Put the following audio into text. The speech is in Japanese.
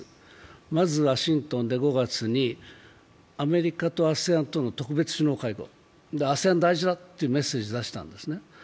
まずワシントンで５月にアメリカとＡＳＥＡＮとの特別首脳会合ＡＳＥＡＮ大事だというメッセージを出したんですね。